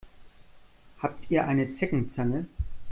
Habt ihr eine Zeckenzange?